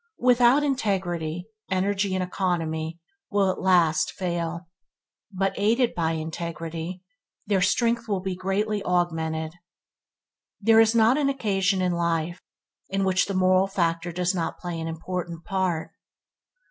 Without integrity, energy and economy will at last fail, but aided by integrity, their strength will be greatly augmented. There is not an occasion in life in which the moral factor does not play an important part.